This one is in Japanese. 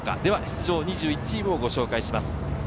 出場２１チームをご紹介します。